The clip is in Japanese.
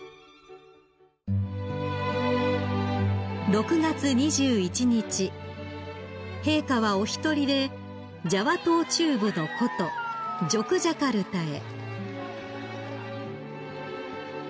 ［６月２１日陛下はお一人でジャワ島中部の古都ジョクジャカルタへ］